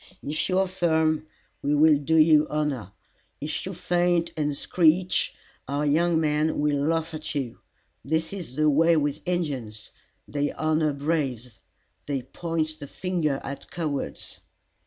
If you are firm, we will do you honor; if you faint and screech, our young men will laugh at you. This is the way with Injins. They honor braves; they point the finger at cowards."